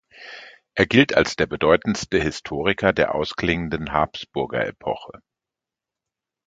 Er gilt als der bedeutendste Historiker der ausklingenden Habsburger-Epoche.